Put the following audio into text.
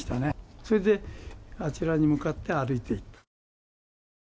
それで、あちらに向かって歩いていった。